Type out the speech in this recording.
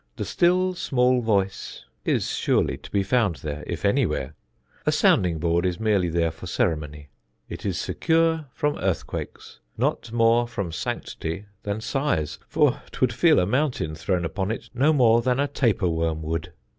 The still small voice is surely to be found there, if any where. A sounding board is merely there for ceremony. It is secure from earthquakes, not more from sanctity than size, for 'twould feel a mountain thrown upon it no more than a taper worm would.